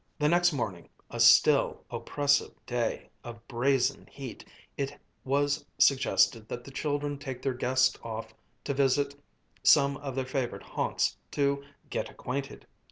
The next morning, a still, oppressive day of brazen heat, it was suggested that the children take their guest off to visit some of their own favorite haunts to "get acquainted."